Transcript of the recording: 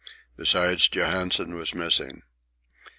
Besides, Johansen was missing.